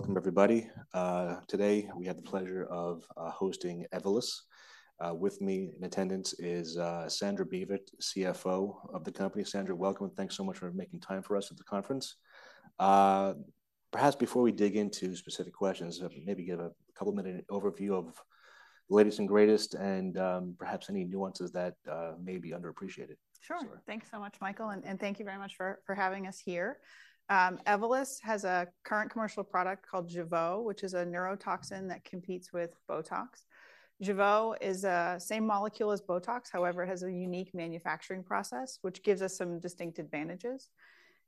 Welcome, everybody. Today, we have the pleasure of hosting Evolus. With me in attendance is Sandra Beaver, CFO of the company. Sandra, welcome, and thanks so much for making time for us at the conference. Perhaps before we dig into specific questions, maybe give a couple-minute overview of the latest and greatest and, perhaps any nuances that may be underappreciated. Sure. Sure. Thanks so much, Michael, and thank you very much for having us here. Evolus has a current commercial product called Jeuveau, which is a neurotoxin that competes with Botox. Jeuveau is a same molecule as Botox, however, it has a unique manufacturing process, which gives us some distinct advantages.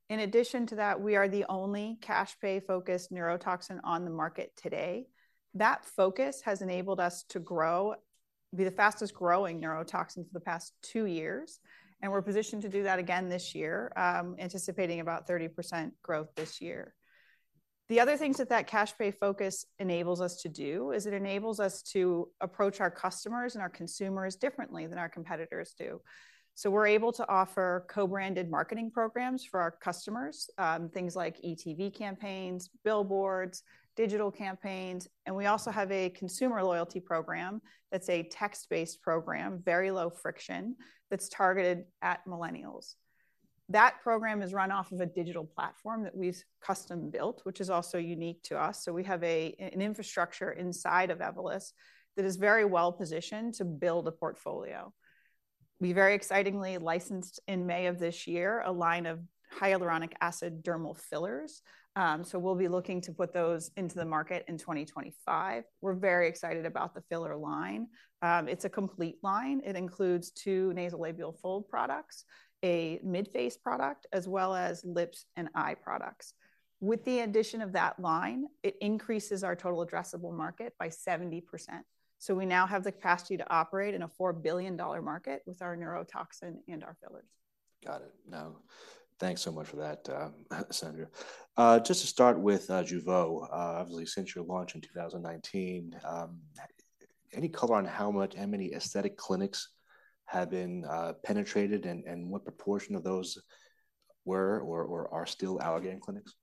In addition to that, we are the only cash pay-focused neurotoxin on the market today. That focus has enabled us to grow, be the fastest-growing neurotoxin for the past two years, and we're positioned to do that again this year, anticipating about 30% growth this year. The other things that that cash pay focus enables us to do is it enables us to approach our customers and our consumers differently than our competitors do. So we're able to offer co-branded marketing programs for our customers, things like ETV campaigns, billboards, digital campaigns, and we also have a consumer loyalty program that's a text-based program, very low friction, that's targeted at millennials. That program is run off of a digital platform that we've custom-built, which is also unique to us, so we have an infrastructure inside of Evolus that is very well-positioned to build a portfolio. We very excitingly licensed, in May of this year, a line of hyaluronic acid dermal fillers, so we'll be looking to put those into the market in 2025. We're very excited about the filler line. It's a complete line. It includes two nasolabial fold products, a mid-face product, as well as lips and eye products. With the addition of that line, it increases our total addressable market by 70%, so we now have the capacity to operate in a $4 billion market with our neurotoxin and our fillers. Got it. Now, thanks so much for that, Sandra. Just to start with, Jeuveau, obviously, since your launch in 2019, any color on how many aesthetic clinics have been penetrated, and what proportion of those were or are still Allergan clinics?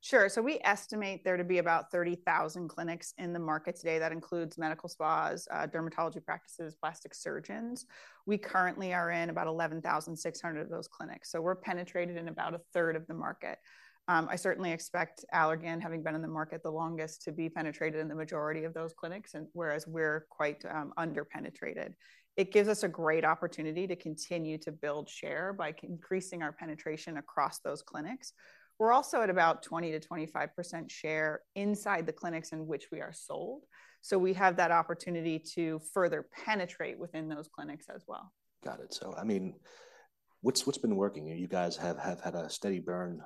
Sure. So we estimate there to be about 30,000 clinics in the market today. That includes medical spas, dermatology practices, plastic surgeons. We currently are in about 11,600 of those clinics, so we're penetrated in about a third of the market. I certainly expect Allergan, having been in the market the longest, to be penetrated in the majority of those clinics, and whereas we're quite, underpenetrated. It gives us a great opportunity to continue to build share by increasing our penetration across those clinics. We're also at about 20%-25% share inside the clinics in which we are sold, so we have that opportunity to further penetrate within those clinics as well. Got it. So, I mean, what's been working? You guys have had a steady burn,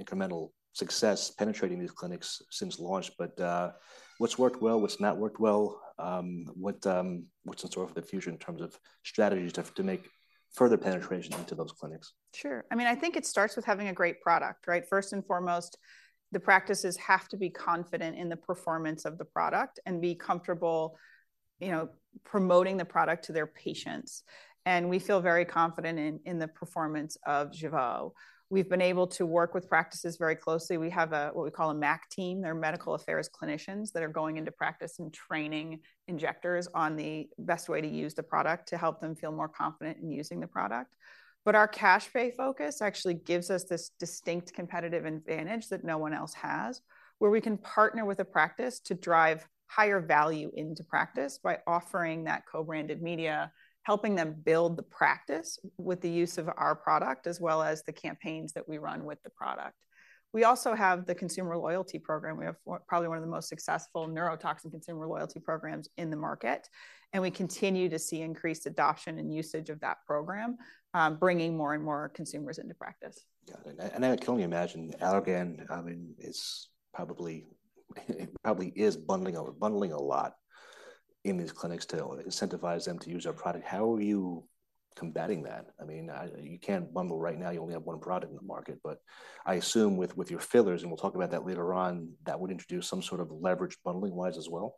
incremental success penetrating these clinics since launch, but, what's worked well? What's not worked well? What's the sort of the fusion in terms of strategies to make further penetration into those clinics? Sure. I mean, I think it starts with having a great product, right? First and foremost, the practices have to be confident in the performance of the product and be comfortable, you know, promoting the product to their patients, and we feel very confident in the performance of Jeuveau. We've been able to work with practices very closely. We have what we call a MAC team. They're medical affairs clinicians that are going into practice and training injectors on the best way to use the product to help them feel more confident in using the product. But our cash pay focus actually gives us this distinct competitive advantage that no one else has, where we can partner with a practice to drive higher value into practice by offering that co-branded media, helping them build the practice with the use of our product, as well as the campaigns that we run with the product. We also have the consumer loyalty program. We have probably one of the most successful neurotoxin consumer loyalty programs in the market, and we continue to see increased adoption and usage of that program, bringing more and more consumers into practice. Got it. I can only imagine Allergan, I mean, is probably it probably is bundling a lot in these clinics to incentivize them to use our product. How are you combating that? I mean, you can't bundle right now. You only have one product in the market, but I assume with your fillers, and we'll talk about that later on, that would introduce some sort of leverage bundling-wise as well?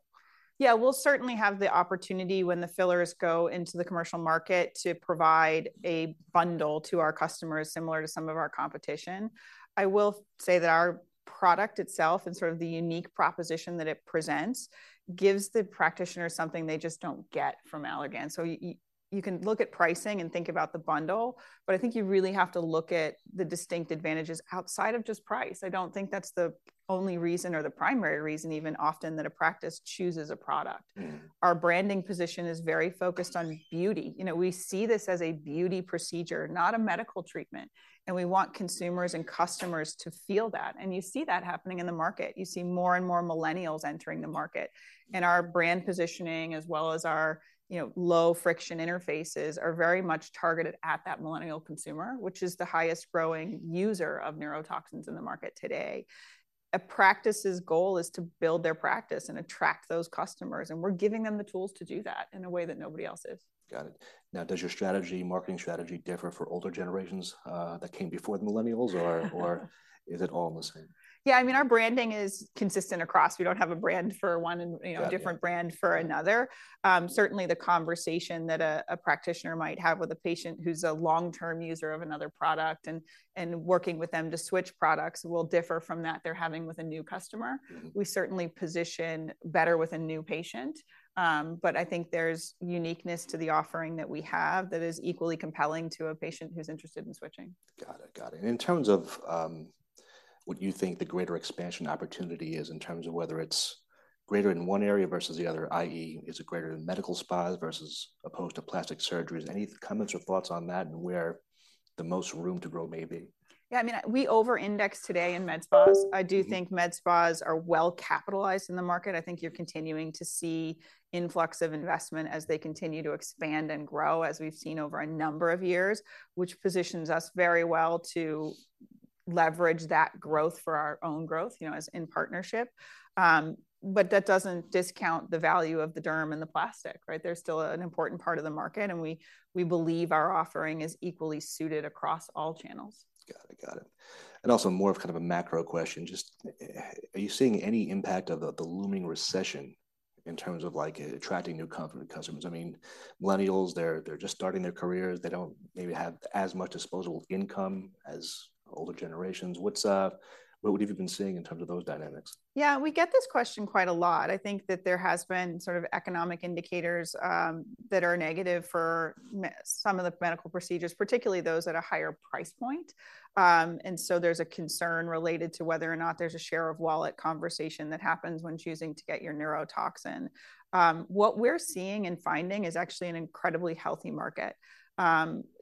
Yeah, we'll certainly have the opportunity when the fillers go into the commercial market to provide a bundle to our customers, similar to some of our competition. I will say that our product itself and sort of the unique proposition that it presents gives the practitioner something they just don't get from Allergan. So you can look at pricing and think about the bundle, but I think you really have to look at the distinct advantages outside of just price. I don't think that's the only reason or the primary reason even often that a practice chooses a product. Mm. Our branding position is very focused on beauty. You know, we see this as a beauty procedure, not a medical treatment, and we want consumers and customers to feel that, and you see that happening in the market. You see more and more millennials entering the market, and our brand positioning, as well as our, you know, low-friction interfaces, are very much targeted at that millennial consumer, which is the highest-growing user of neurotoxins in the market today. A practice's goal is to build their practice and attract those customers, and we're giving them the tools to do that in a way that nobody else is. Got it. Now, does your strategy, marketing strategy differ for older generations that came before the millennials, or is it all the same? Yeah, I mean, our branding is consistent across. We don't have a brand for one and, you know- Got it different brand for another. Certainly, the conversation that a practitioner might have with a patient who's a long-term user of another product and working with them to switch products will differ from that they're having with a new customer. Mm. We certainly position better with a new patient, but I think there's uniqueness to the offering that we have that is equally compelling to a patient who's interested in switching. Got it, got it. In terms of what you think the greater expansion opportunity is, in terms of whether it's greater in one area versus the other, i.e., is it greater in medical spas versus opposed to plastic surgeries? Any comments or thoughts on that and where the most room to grow may be? Yeah, I mean, we over-index today in med spas. I do think med spas are well capitalized in the market. I think you're continuing to see influx of investment as they continue to expand and grow, as we've seen over a number of years, which positions us very well to leverage that growth for our own growth, you know, as in partnership. But that doesn't discount the value of the derm and the plastic, right? They're still an important part of the market, and we believe our offering is equally suited across all channels. Got it. Got it. And also more of kind of a macro question, just, are you seeing any impact of the looming recession in terms of, like, attracting new customers? I mean, millennials, they're just starting their careers. They don't maybe have as much disposable income as older generations. What have you been seeing in terms of those dynamics? Yeah, we get this question quite a lot. I think that there has been sort of economic indicators that are negative for some of the medical procedures, particularly those at a higher price point. And so there's a concern related to whether or not there's a share of wallet conversation that happens when choosing to get your neurotoxin. What we're seeing and finding is actually an incredibly healthy market.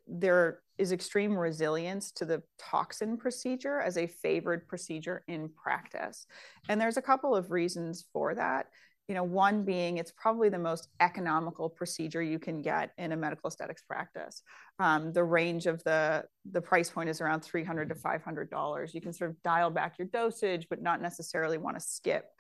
There is extreme resilience to the toxin procedure as a favored procedure in practice, and there's a couple of reasons for that. You know, one being it's probably the most economical procedure you can get in a medical aesthetics practice. The range of the price point is around $300-$500. You can sort of dial back your dosage, but not necessarily want to skip.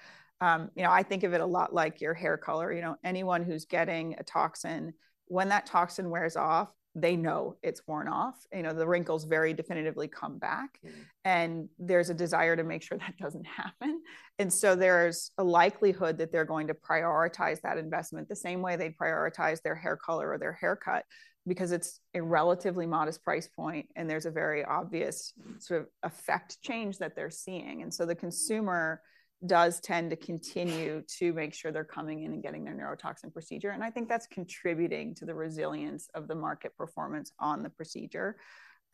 You know, I think of it a lot like your hair color. You know, anyone who's getting a toxin, when that toxin wears off, they know it's worn off. You know, the wrinkles very definitively come back- Mm-hmm. And there's a desire to make sure that doesn't happen. And so there's a likelihood that they're going to prioritize that investment the same way they'd prioritize their hair color or their haircut, because it's a relatively modest price point, and there's a very obvious sort of effect change that they're seeing. And so the consumer does tend to continue to make sure they're coming in and getting their neurotoxin procedure, and I think that's contributing to the resilience of the market performance on the procedure.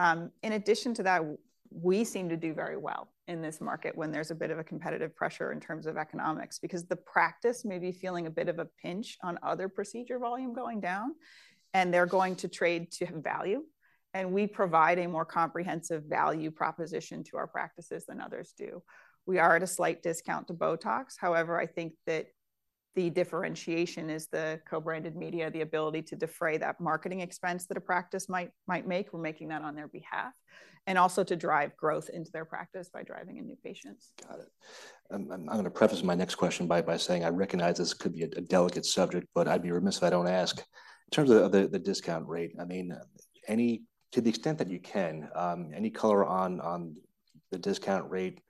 In addition to that, we seem to do very well in this market when there's a bit of a competitive pressure in terms of economics, because the practice may be feeling a bit of a pinch on other procedure volume going down, and they're going to trade to value, and we provide a more comprehensive value proposition to our practices than others do. We are at a slight discount to Botox. However, I think that the differentiation is the co-branded media, the ability to defray that marketing expense that a practice might make. We're making that on their behalf, and also to drive growth into their practice by driving in new patients. Got it. I'm going to preface my next question by saying I recognize this could be a delicate subject, but I'd be remiss if I don't ask. In terms of the discount rate, I mean, any to the extent that you can, any color on the discount rate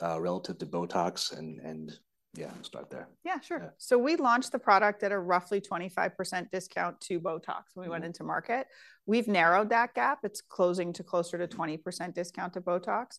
relative to Botox and yeah, let's start there. Yeah, sure. Yeah. So we launched the product at a roughly 25% discount to Botox when we went into market. We've narrowed that gap. It's closing to closer to 20% discount to Botox.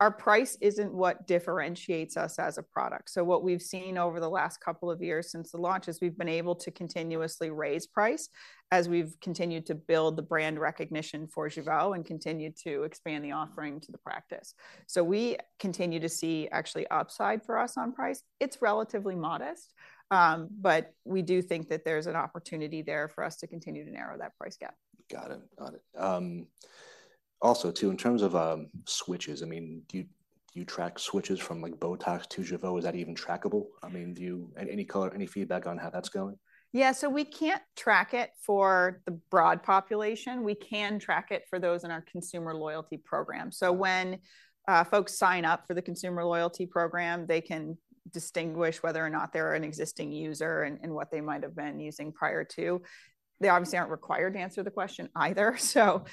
Our price isn't what differentiates us as a product. So what we've seen over the last couple of years since the launch is we've been able to continuously raise price as we've continued to build the brand recognition for Jeuveau and continued to expand the offering to the practice. So we continue to see actually upside for us on price. It's relatively modest, but we do think that there's an opportunity there for us to continue to narrow that price gap. Got it. Got it. Also too, in terms of switches, I mean, do you, do you track switches from, like, Botox to Jeuveau? Is that even trackable? I mean, any color, any feedback on how that's going? Yeah, so we can't track it for the broad population. We can track it for those in our consumer loyalty program. Mm-hmm. So when folks sign up for the consumer loyalty program, they can distinguish whether or not they're an existing user and what they might have been using prior to. They obviously aren't required to answer the question either. So,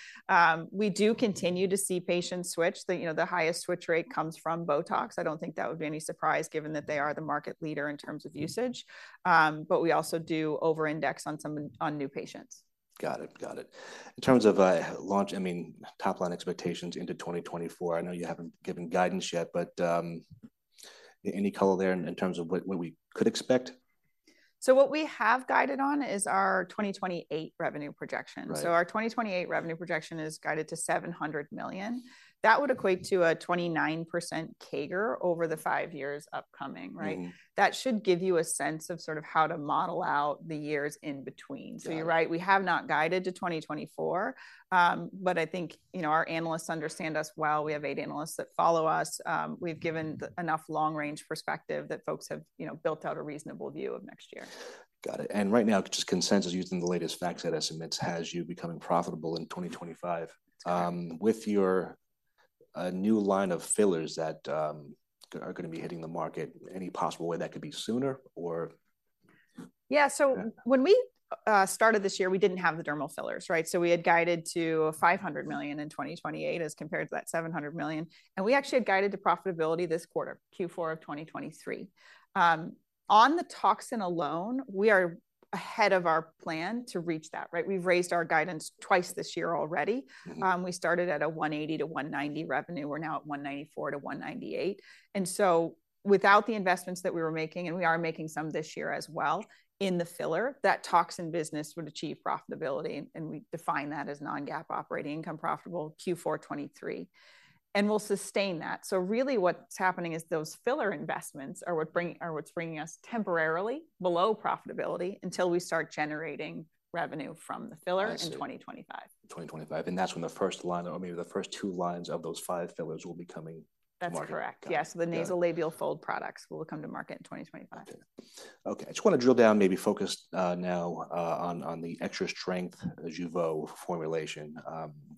we do continue to see patients switch. You know, the highest switch rate comes from Botox. I don't think that would be any surprise, given that they are the market leader in terms of usage. Mm-hmm. But we also do over-index on some, on new patients. Got it. Got it. In terms of launch, I mean, top-line expectations into 2024, I know you haven't given guidance yet, but any color there in terms of what we could expect? What we have guided on is our 2028 revenue projection. Right. Our 2028 revenue projection is guided to $700 million. That would equate to a 29% CAGR over the 5 years upcoming, right? Mm-hmm. That should give you a sense of sort of how to model out the years in between. Yeah. So you're right, we have not guided to 2024, but I think, you know, our analysts understand us well. We have eight analysts that follow us. We've given enough long-range perspective that folks have, you know, built out a reasonable view of next year. Got it, and right now, just consensus using the latest FactSet estimates, has you becoming profitable in 2025. That's right. With your new line of fillers that are going to be hitting the market, any possible way that could be sooner, or? Yeah, so- Yeah when we started this year, we didn't have the dermal fillers, right? So we had guided to $500 million in 2028 as compared to that $700 million, and we actually had guided to profitability this quarter, Q4 of 2023. On the toxin alone, we are ahead of our plan to reach that, right? We've raised our guidance twice this year already. Mm-hmm. We started at $180-$190 revenue. We're now at $194-$198. And so without the investments that we were making, and we are making some this year as well, in the filler, that toxin business would achieve profitability, and we define that as non-GAAP operating income profitable, Q4 2023. And we'll sustain that. So really what's happening is those filler investments are what bring- are what's bringing us temporarily below profitability until we start generating revenue from the filler- I see in 2025. 2025, and that's when the first line, or maybe the first two lines of those five fillers will be coming to market. That's correct. Yeah. Yeah, so the nasolabial fold products will come to market in 2025. Okay, I just want to drill down, maybe focus now on the extra strength Jeuveau formulation.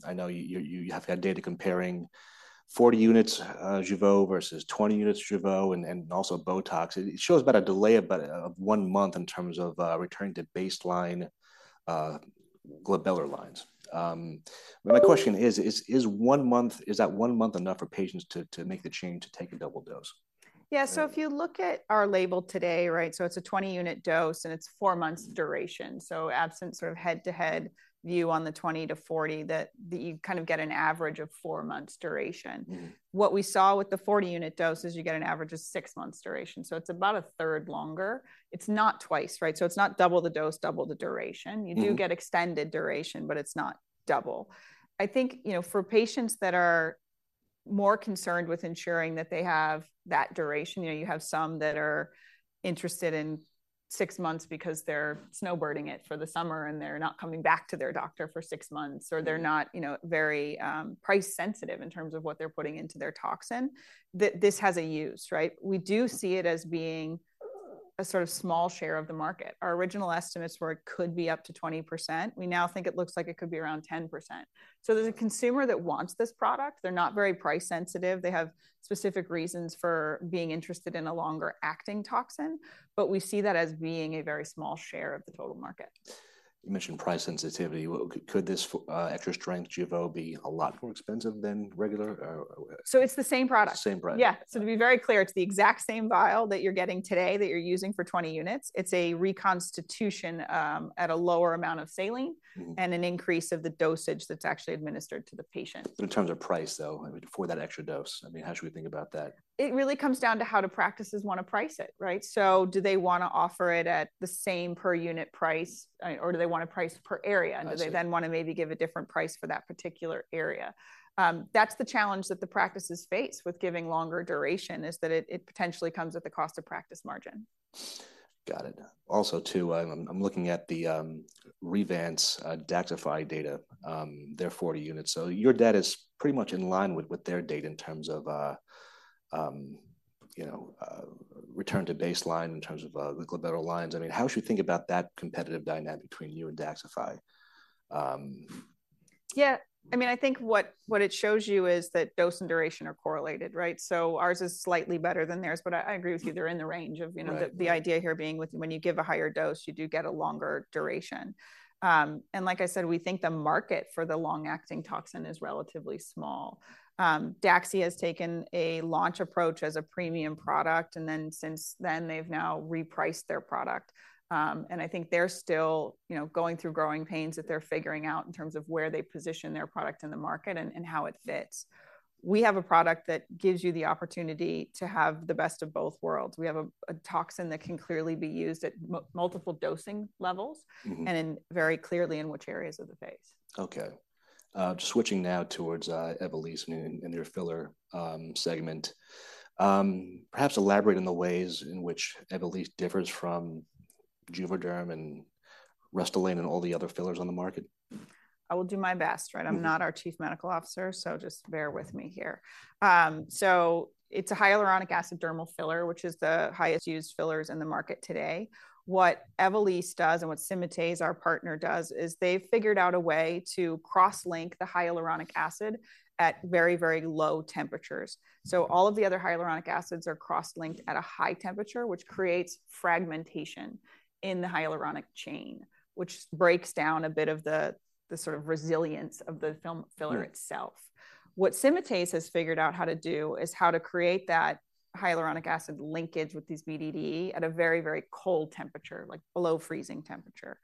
I know you have got data comparing 40 units Jeuveau versus 20 units Jeuveau, and also Botox. It shows about a delay of about one month in terms of returning to baseline glabellar lines. My question is, is one month enough for patients to make the change to take a double dose? Yeah. So if you look at our label today, right? So it's a 20-unit dose, and it's 4 months duration. So absent sort of head-to-head view on the 20-40, that, that you kind of get an average of 4 months duration. Mm. What we saw with the 40-unit dose is you get an average of 6 months duration, so it's about a third longer. It's not twice, right? So it's not double the dose, double the duration. Mm. You do get extended duration, but it's not double. I think, you know, for patients that are more concerned with ensuring that they have that duration, you know, you have some that are interested in six months because they're snowbirding it for the summer, and they're not coming back to their doctor for six months, or they're not, you know, very, price sensitive in terms of what they're putting into their toxin, that this has a use, right? We do see it as being a sort of small share of the market. Our original estimates were it could be up to 20%. We now think it looks like it could be around 10%. So there's a consumer that wants this product. They're not very price sensitive. They have specific reasons for being interested in a longer-acting toxin, but we see that as being a very small share of the total market. You mentioned price sensitivity. Could this extra strength Jeuveau be a lot more expensive than regular- It's the same product. Same price? Yeah. So to be very clear, it's the exact same vial that you're getting today, that you're using for 20 units. It's a reconstitution at a lower amount of saline. Mm-hmm and an increase of the dosage that's actually administered to the patient. In terms of price, though, for that extra dose, I mean, how should we think about that? It really comes down to how do practices want to price it, right? So do they want to offer it at the same per unit price, or do they want to price per area? I see. Do they then want to maybe give a different price for that particular area? That's the challenge that the practices face with giving longer duration, is that it potentially comes at the cost of practice margin. Got it. Also, too, I'm looking at the Revance DAXXIFY data, their 40 units. So your data is pretty much in line with their data in terms of, you know, return to baseline in terms of the glabellar lines. I mean, how should you think about that competitive dynamic between you and DAXXIFY? Yeah, I mean, I think what it shows you is that dose and duration are correlated, right? So ours is slightly better than theirs, but I agree with you. They're in the range of, you know- Right the idea here being with when you give a higher dose, you do get a longer duration. And like I said, we think the market for the long-acting toxin is relatively small. Daxi has taken a launch approach as a premium product, and then since then, they've now repriced their product. And I think they're still, you know, going through growing pains that they're figuring out in terms of where they position their product in the market and, and how it fits. We have a product that gives you the opportunity to have the best of both worlds. We have a toxin that can clearly be used at multiple dosing levels- Mm-hmm and very clearly in which areas of the face. Okay. Switching now towards Evolus and their filler segment. Perhaps elaborate on the ways in which Evolus differs from Juvederm and Restylane and all the other fillers on the market. I will do my best, right? Mm-hmm. I'm not our Chief Medical Officer, so just bear with me here. So it's a hyaluronic acid dermal filler, which is the highest used fillers in the market today. What Evolysse does, and what Symatese, our partner, does is they've figured out a way to cross-link the hyaluronic acid at very, very low temperatures. So all of the other hyaluronic acids are cross-linked at a high temperature, which creates fragmentation in the hyaluronic chain, which breaks down a bit of the sort of resilience of the filler itself. Mm. What Symatese has figured out how to do is how to create that hyaluronic acid linkage with these BDDE at a very, very cold temperature, like below freezing temperature,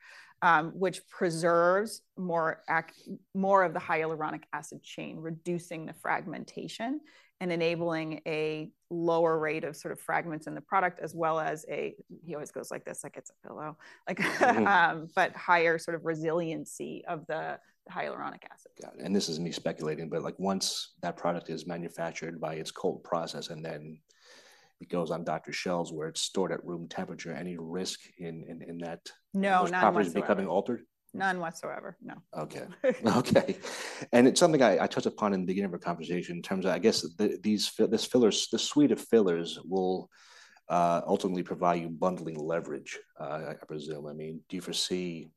which preserves more—more of the hyaluronic acid chain, reducing the fragmentation and enabling a lower rate of sort of fragments in the product, as well as a... He always goes like this, like it's a pillow. Like, Mm-hmm but higher sort of resiliency of the hyaluronic acid. Got it. This is me speculating, but, like, once that product is manufactured by its cold process, and then it goes on doctor's shelves, where it's stored at room temperature, any risk in that? No, none whatsoever. those properties becoming altered? None whatsoever, no. Okay. Okay, and it's something I touched upon in the beginning of our conversation in terms of, I guess, these fillers, this suite of fillers will ultimately provide you bundling leverage, I presume. I mean, do you foresee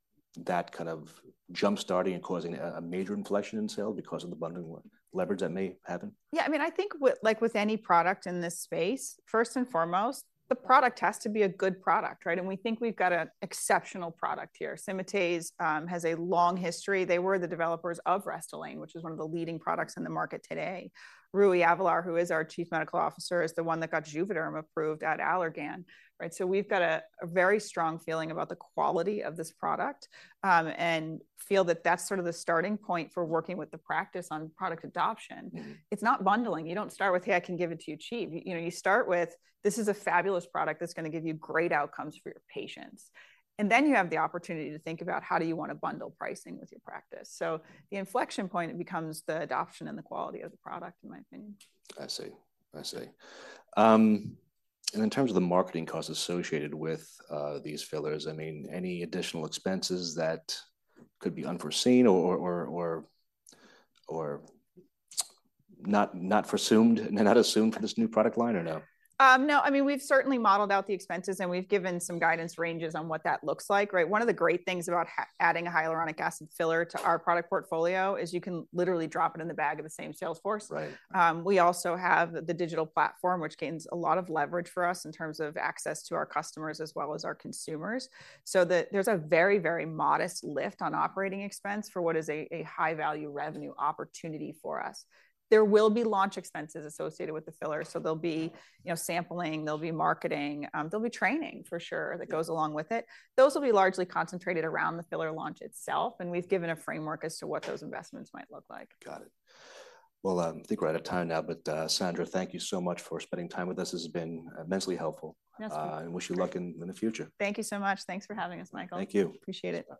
that kind of jump-starting and causing a major inflection in sales because of the bundling leverage that may happen? Yeah, I mean, I think with, like, with any product in this space, first and foremost, the product has to be a good product, right? And we think we've got an exceptional product here. Symatese has a long history. They were the developers of Restylane, which is one of the leading products in the market today. Rui Avelar, who is our Chief Medical Officer, is the one that got Juvederm approved at Allergan, right? So we've got a very strong feeling about the quality of this product, and feel that that's sort of the starting point for working with the practice on product adoption. Mm. It's not bundling. You don't start with: Hey, I can give it to you cheap. You know, you start with: This is a fabulous product that's gonna give you great outcomes for your patients. And then you have the opportunity to think about how do you want to bundle pricing with your practice. So the inflection point, it becomes the adoption and the quality of the product, in my opinion. I see. I see. And in terms of the marketing costs associated with these fillers, I mean, any additional expenses that could be unforeseen or not presumed, not assumed for this new product line or no? No. I mean, we've certainly modeled out the expenses, and we've given some guidance ranges on what that looks like, right? One of the great things about adding a hyaluronic acid filler to our product portfolio is you can literally drop it in the bag of the same sales force. Right. We also have the digital platform, which gains a lot of leverage for us in terms of access to our customers as well as our consumers. So there's a very, very modest lift on operating expense for what is a high-value revenue opportunity for us. There will be launch expenses associated with the filler, so there'll be, you know, sampling, there'll be marketing, there'll be training, for sure. Yeah that goes along with it. Those will be largely concentrated around the filler launch itself, and we've given a framework as to what those investments might look like. Got it. Well, I think we're out of time now, but, Sandra, thank you so much for spending time with us. This has been immensely helpful. Yes. Wish you luck in the future. Thank you so much. Thanks for having us, Michael. Thank you. Appreciate it.